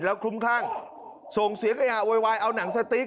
แล้วคุ้มข้างส่งเสียขยะไวเอาหนังสติ๊ก